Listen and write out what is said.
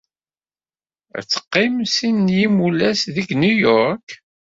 Ad teqqim sin n yimulas deg New York.